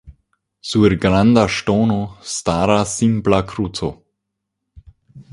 Sur Granda ŝtono staras simpla kruco.